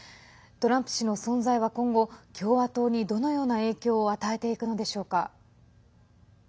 トランプ氏の存在は今後共和党に、どのような影響を与えていくのでしょうか。